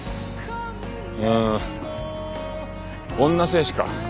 うーん女戦士か？